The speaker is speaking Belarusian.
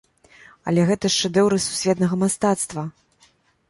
Але гэта ж шэдэўры сусветнага мастацтва!